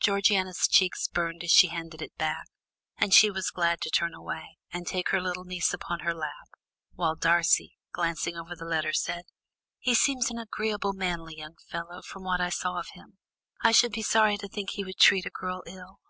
Georgiana's cheeks burned as she handed it back, and she was glad to turn away, and take her little niece upon her lap, while Darcy, glancing over the letter, said: "He seems an agreeable, manly young fellow, from what I saw of him; I should be sorry to think he would treat a girl ill."